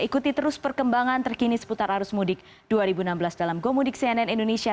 ikuti terus perkembangan terkini seputar arus mudik dua ribu enam belas dalam gomudik cnn indonesia